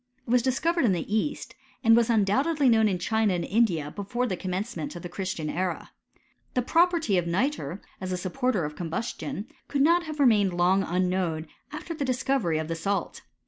It was discovered in the east ; and was undoubtedly known in China and India before the commencement of the Christian era. The property of nitre, as a supporter of combustion, could not have remained long unknown after the dis covery of the salt.